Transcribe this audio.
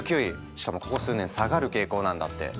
しかもここ数年下がる傾向なんだって。